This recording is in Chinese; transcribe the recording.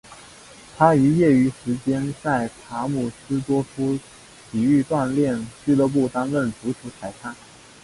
他于业余时间在拉姆斯多夫体育锻炼俱乐部担当足球裁判。